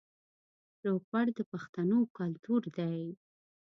روغبړ د پښتنو کلتور دی